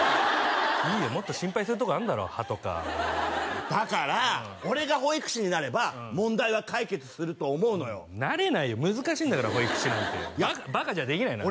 いいよもっと心配するとこあるだろ歯とかだから俺が保育士になれば問題は解決すると思うのよなれないよ難しいんだから保育士なんてバカじゃできないのよ